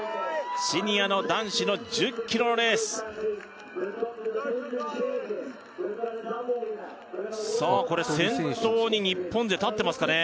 シニアの男子の１０ｋｍのレースさあ先頭に日本勢立ってますかね